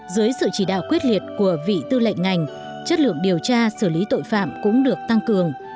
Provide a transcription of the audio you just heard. dưới sự chỉ đạo quyết liệt của vị tư lệnh ngành chất lượng điều tra xử lý tội phạm cũng được tăng cường